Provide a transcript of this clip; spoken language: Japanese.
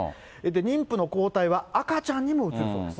妊婦の抗体は赤ちゃんにもうつるそうです。